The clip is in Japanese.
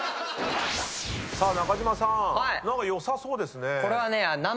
さあ中島さん何か良さそうですね。